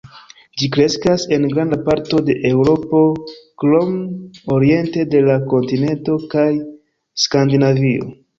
Ĝi kreskas en granda parto de Eŭropo krom oriente de la kontinento kaj Skandinavio.